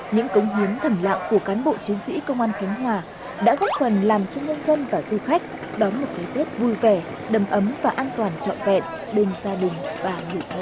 những cống hiến thẩm lạc của cán bộ chiến sĩ công an khánh hòa đã góp phần làm cho nhân dân và du khách đón một thế tiết vui vẻ đầm ấm và an toàn trọng vẹn bên gia đình và người thân